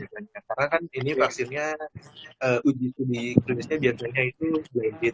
karena kan ini vaksinnya uji klinisnya biasanya itu blinded